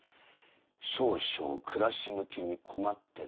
少々暮らし向きに困っての。